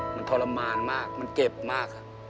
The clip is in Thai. มันทรมานมากมันเก็บมาก